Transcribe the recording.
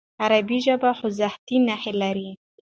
عربي ژبه خوځښتي نښې لري.